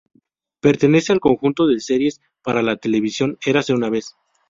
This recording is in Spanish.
Pertenece al conjunto de series para la televisión "Érase una vez...".